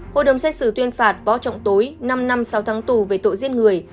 tổng hình phạt võ trọng tối năm năm sáu tháng tù về tội giết người